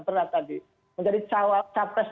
berat tadi menjadi cawapres